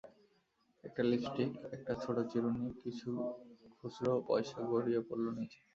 একটা লিপস্টিক, একটা ছোট চিরুনি, কিছু খুচরো পয়সা গড়িয়ে পড়ল নিচে।